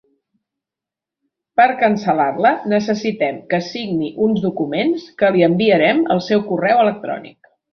Per cancel·lar-la necessitem que signi uns documents que li enviarem al seu correu electrònic.